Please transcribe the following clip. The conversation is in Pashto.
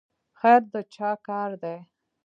خیر د چا کار دی؟